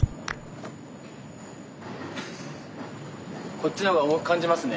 こっちの方が重く感じますね。